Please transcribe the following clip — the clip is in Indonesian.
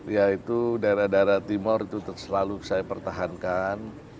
ya itu daerah daerah timur itu selalu saya pertahankan